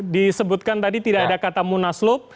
disebutkan tadi tidak ada kata munaslup